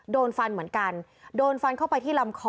โดนฟันเหมือนกันโดนฟันเข้าไปที่ลำคอ